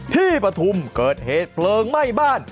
ที่ประทุ่มเกิดเหตุเผลอไม่บ้าน